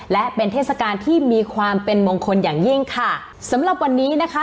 และเป็นเทศกาลที่มีความเป็นมงคลอย่างยิ่งค่ะสำหรับวันนี้นะคะ